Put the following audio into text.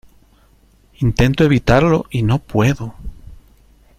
intento evitarlo y no puedo.